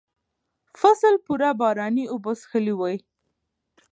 فصل پوره باراني اوبه څښلې وې.